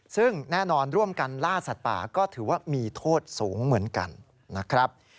ซึ่งแน่นอนร่วมกันล่าสัตว์ป่าก็ถือว่ามีโทษสูงเหมือนกันนะครับ